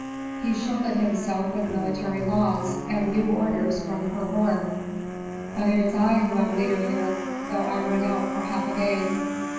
"He shielded himself with military laws, and new orders from Herhor." "But it is I who am leader here, though I went out for half a day."